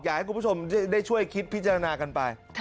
อยากให้คุณผู้ชมได้ช่วยคิดพิจารณากันไป